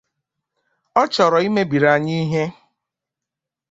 ọ chọọ imebìrì anyị ihe